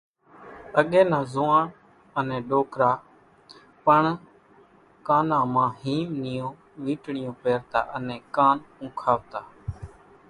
اڳيَ نا زوئاڻ انين ڏوڪرا پڻ ڪانان مان هيم نِيون ويٽِيون پيرتا انين ڪان پُونکاوتا۔